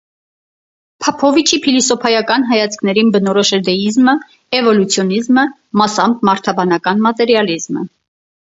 Փափովիչի փիլիսոփայական հայացքներին բնորոշ է դեիզմը, էվոլյուցիոնիզմը, մասամբ՝ մարդաբանական մատերիալիզմը։